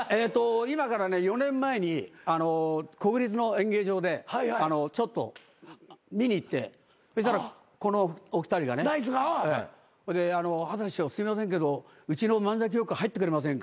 今からね４年前に国立の演芸場でちょっと見に行ってそうしたらこのお二人がね「はた師匠すいませんけどうちの漫才協会入ってくれませんか？」